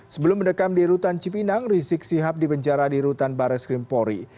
sebelum mendekam di rutan cipinang risik sihab dipenjara di rutan bareskrimpori